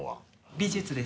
美術です。